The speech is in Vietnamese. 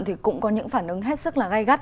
thì cũng có những phản ứng hết sức là gai gắt